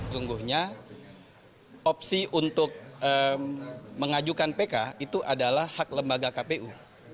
sungguhnya opsi untuk mengajukan pk itu adalah hak lembaga kpu